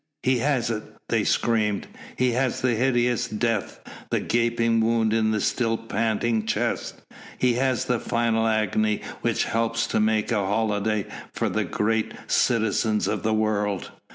"He has it!" they screamed. He has the hideous death, the gaping wound in the still panting chest. He has the final agony which helps to make a holiday for the great citizens of the world.